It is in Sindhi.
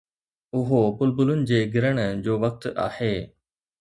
اهو بلبلن جي گرڻ جو وقت آهي